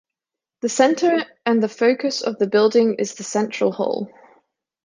The centre and the focus of the building is the Central Hall.